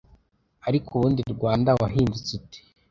ariko ubundi rwanda wahindutse ute